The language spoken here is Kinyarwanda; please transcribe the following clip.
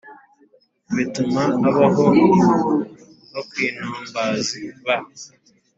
bituma ab’aho bakwinumbersba